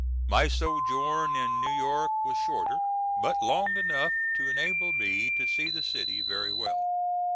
My sojourn in New York was shorter, but long enough to enable me to see the city very well.